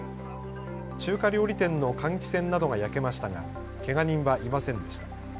中華料理店の換気扇などが焼けましたがけが人はいませんでした。